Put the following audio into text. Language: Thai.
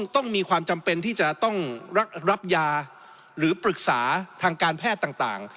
ต้องมีความจำเป็นที่จะต้องรับยาหรือปรึกษาทางการแพทย์ต่าง